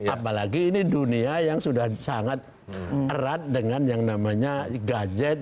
apalagi ini dunia yang sudah sangat erat dengan yang namanya gadget